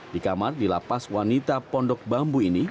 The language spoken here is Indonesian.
di kamar di lapas wanita pondok bambu ini